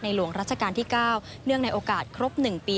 หลวงราชการที่๙เนื่องในโอกาสครบ๑ปี